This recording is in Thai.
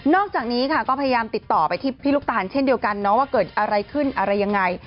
อกจากนี้ค่ะก็พยายามติดต่อไปที่พี่ลูกตาลเช่นเดียวกันนะว่าเกิดอะไรขึ้นอะไรยังไง